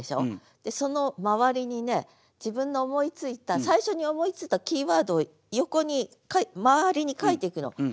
でその周りにね自分の思いついた最初に思いついたキーワードを横に周りに書いていくの。